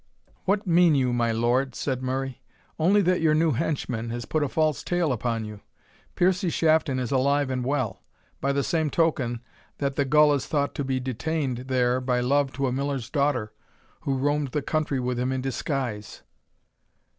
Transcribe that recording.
"What mean you, my lord?" said Murray. "Only that your new henchman has put a false tale upon you. Piercie Shafton is alive and well; by the same token that the gull is thought to be detained there by love to a miller's daughter, who roamed the country with him in disguise."